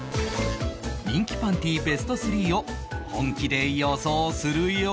人気パンティーベスト３を本気で予想するよ